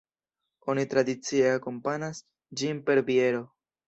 Oni tradicie akompanas ĝin per biero.